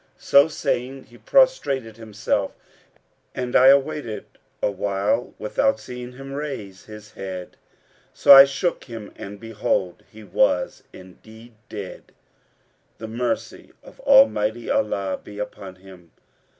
[FN#471] So saying, he prostrated himself, and I awaited awhile without seeing him raise his head; so I shook him and behold, he was indeed dead, the mercy of Almighty Allah be upon him!